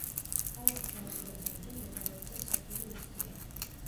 ქალაქის ადგილას ადრე მდებარეობდა სოფელი უსტია.